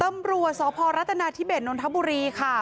ตำรวจสพรัฐนาธิเบสนนทบุรีค่ะ